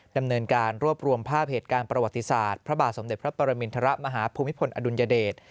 ดำเนินการรวบรวมภาพเหตุการณ์ประวัติศาสตร์พระบาทสมเด็จพระปรมินทรมาฮภูมิพลอดุลยเดช